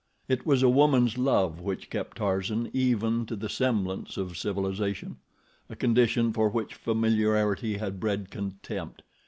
It was a woman's love which kept Tarzan even to the semblance of civilization—a condition for which familiarity had bred contempt.